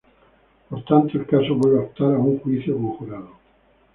Por tanto, el caso vuelve a optar a un juicio con jurado.